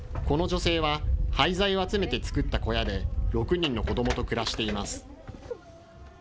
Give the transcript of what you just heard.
この女性は、廃材を集めて作った小屋で、６人の子どもと暮らしています。